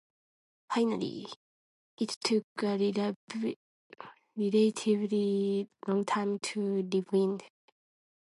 Finally, it took a relatively long time to rewind.